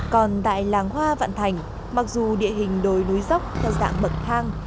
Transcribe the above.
còn tại làng hoa vạn thành mặc dù địa hình đồi núi dốc theo dạng bậc thang